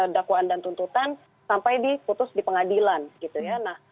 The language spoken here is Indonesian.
dakwaan dan tuntutan sampai diputus di pengadilan gitu ya